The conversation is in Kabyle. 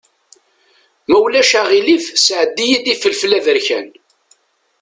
Ma ulac aɣilif sɛeddi-yi-d ifelfel aberkan.